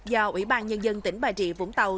do ủy ban nhân dân tỉnh bà rịa vũng tàu